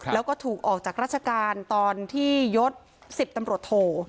แล้วก็ถูกออกจากราชการตอนที่ยศ๑๐ตำรวจโท